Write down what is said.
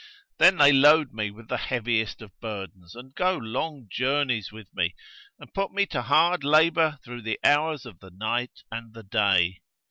Then they load me with the heaviest of burdens and go long journeys with me and put me to hard labour through the hours of the night and the day.